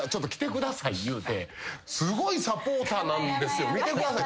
言うて「すごいサポーターなんですよ見てください」